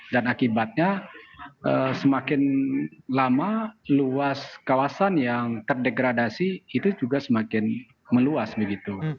dan akibatnya semakin lama luas kawasan yang terdegradasi itu juga semakin meluas begitu